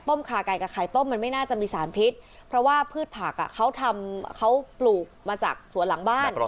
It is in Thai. ขาไก่กับไข่ต้มมันไม่น่าจะมีสารพิษเพราะว่าพืชผักเขาทำเขาปลูกมาจากสวนหลังบ้าน